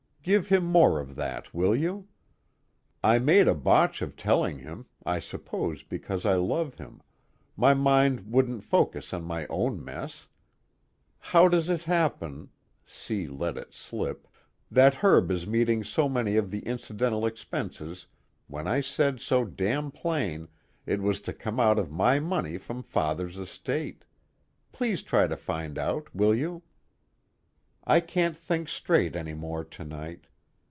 Give him more of that, will you? I made a botch of telling him, I suppose because I love him, my mind wouldn't focus on my own mess. How does it happen (C. let it slip) that Herb is meeting so many of the incidental expenses when I said so damn plain it was to come out of my money from Father's estate? Please try to find out, will you? I can't think straight any more tonight.